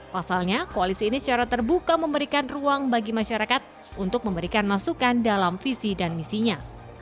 pasalnya koalisi ini secara terbuka memberikan ruang bagi masyarakat untuk memberikan masukan dalam visi dan misinya